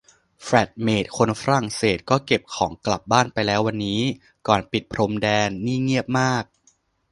แฟลตเมตคนฝรั่งเศสก็เก็บของกลับบ้านไปแล้ววันนี้ ก่อนปิดพรมแดน นี่เงียบมาก